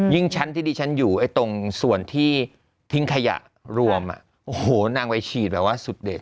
ชั้นที่ดิฉันอยู่ตรงส่วนที่ทิ้งขยะรวมโอ้โหนางไปฉีดแบบว่าสุดเด็ด